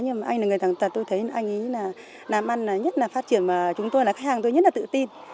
nhưng mà anh là người tàn tật tôi thấy anh ấy là làm ăn nhất là phát triển mà chúng tôi là khách hàng tôi rất là tự tin